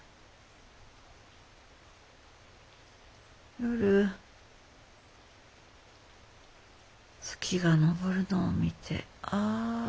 夜月が昇るのを見てああ